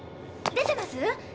出てます？